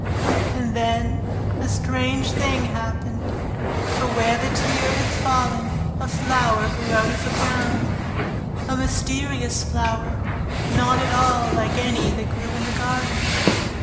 And then a strange thing happened. For where the tear had fallen a flower grew out of the ground, a mysterious flower, not at all like any that grew in the garden.